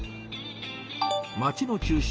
街の中心